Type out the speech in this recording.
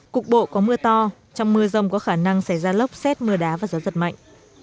cục bộ có mưa to trong mưa rông có khả năng xảy ra lốc xét mưa đá và gió giật mạnh